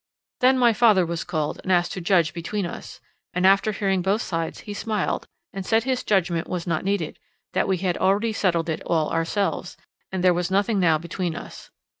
Then my father was called and asked to judge between us, and after hearing both sides he smiled and said his judgment was not needed, that we had already settled it all ourselves, and there was nothing now between us.